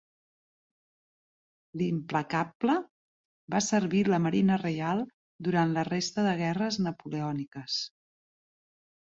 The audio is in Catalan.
L'"Implacable" va servir la Marina Reial durant la resta de guerres napoleòniques.